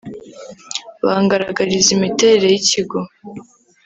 bangaragariza imiterere y’ikigo